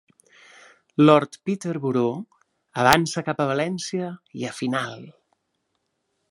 Lord Peterborough avança cap a València i a final.